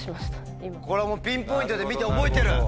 これはもうピンポイントで見て覚えてる。